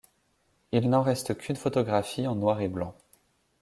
Il n'en reste qu'une photographie en noir et blanc.